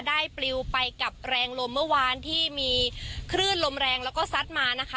ปลิวไปกับแรงลมเมื่อวานที่มีคลื่นลมแรงแล้วก็ซัดมานะคะ